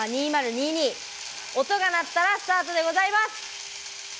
音が鳴ったらスタートでございます。